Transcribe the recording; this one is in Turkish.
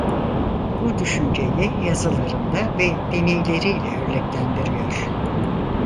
Bu düşünceyi yazılarında ve deneyleriyle örneklendiriyor.